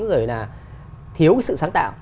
rồi là thiếu cái sự sáng tạo